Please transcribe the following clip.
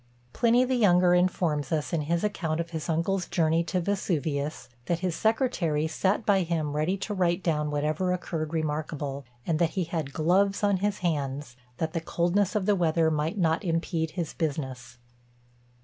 Pliny the younger informs us, in his account of his uncle's journey to Vesuvius, that his secretary sat by him ready to write down whatever occurred remarkable; and that he had gloves on his hands, that the coldness of the weather might not impede his business.